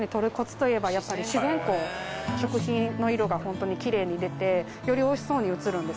食品の色がホントにきれいに出てよりおいしそうに映るんですよね。